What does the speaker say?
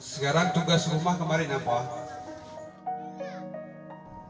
sekarang tugas rumah kemarin apa